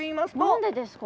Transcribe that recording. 何でですか？